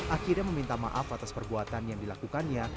akhirnya meminta maaf atas perbuatan yang dilakukannya